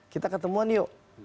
kita ketemuan yuk